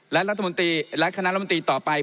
และรัฐมนตรีและคณะรัฐมนตรีต่อไป